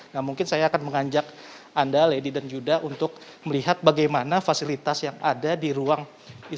nah mungkin saya akan mengajak anda lady dan yuda untuk melihat bagaimana fasilitas yang ada di ruang isolasi